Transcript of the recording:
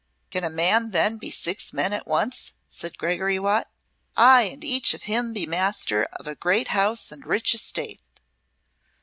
"Can a man then be six men at once?" said Gregory Watt. "Ay, and each of him be master of a great house and rich estate.